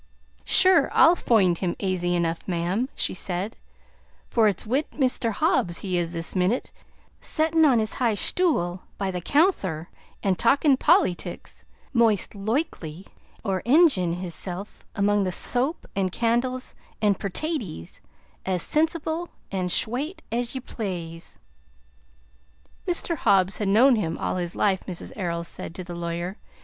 "Sure I'll foind him aisy enough, ma'am," she said; "for it's wid Mr. Hobbs he is this minnit, settin' on his high shtool by the counther an' talkin' pollytics, most loikely, or enj'yin' hisself among the soap an' candles an' pertaties, as sinsible an' shwate as ye plase." "Mr. Hobbs has known him all his life," Mrs. Errol said to the lawyer.